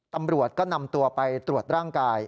ตำรวจก็นำตัวไปตรวจร่างกาย